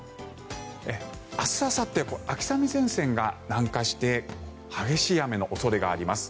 明日、あさって秋雨前線が南下して激しい雨の恐れがあります。